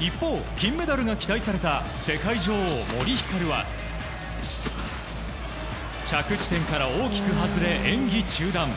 一方、金メダルが期待された世界女王森ひかるは着地点から大きく外れ演技中断。